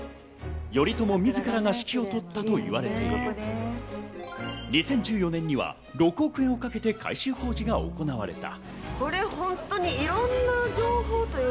頼朝みずからが指揮を執ったと言われており、２０１４年には６億円をかけて改修工事が行われた。